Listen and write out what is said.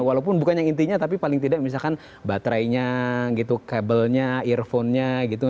walaupun bukan yang intinya tapi paling tidak misalkan baterainya gitu kabelnya earphone nya gitu